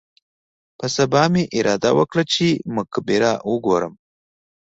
په سبا مې اراده وکړه چې مقبره وګورم.